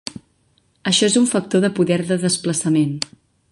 Això és un "factor de poder de desplaçament".